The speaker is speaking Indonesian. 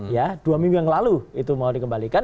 ya dua minggu yang lalu itu mau dikembalikan